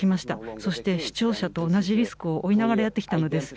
そして視聴者と同じリスクを負いながらやってきたのです。